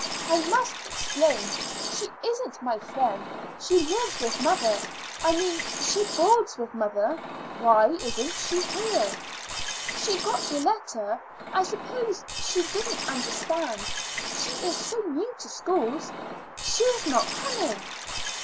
"I must explain. She isn't my friend. She lives with mother I mean she boards with mother." "Why isn't she here?" "She got your letter. I suppose she didn't understand; she is so new to schools. She is not coming."